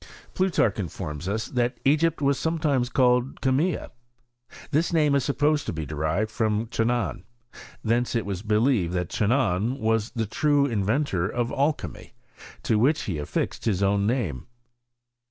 Plutarch informs us, that Egypt was sometimes called Chemia.f This name is supposed to be derived from Chanaan (fJ^J3); thence it was believed that Cha naan was the true inventor of alchymy, to which he affixed his own name.